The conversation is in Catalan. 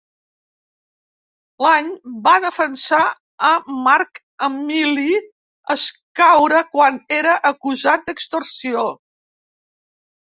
L'any va defensar a Marc Emili Escaure quan era acusat d’extorsió.